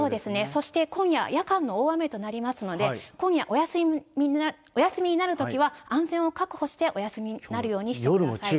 そして今夜、夜間の大雨となりますので、今夜、お休みになるときは、安全を確保してお休みになるようにしてください。